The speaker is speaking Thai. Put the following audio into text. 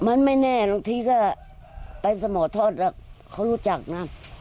มันไม่แน่บางทีก็ไปสมทอดแล้วเขารู้จักนะ